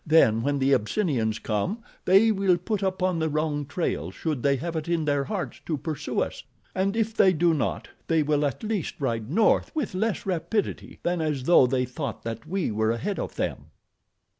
Then, when the Abyssinians come they will be put upon the wrong trail should they have it in their hearts to pursue us, and if they do not they will at least ride north with less rapidity than as though they thought that we were ahead of them."